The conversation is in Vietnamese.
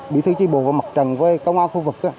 bỉ thư chi bồ và mặt trần với công an khu vực